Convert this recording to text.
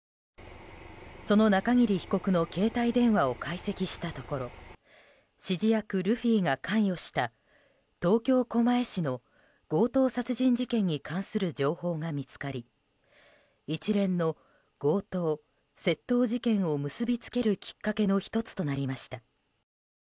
その中桐被告の携帯電話を解析したところ指示役ルフィが関与した東京・狛江市の強盗殺人事件に関する情報が見つかり一連の強盗・窃盗事件を結びつけるきっかけの１つとなりました。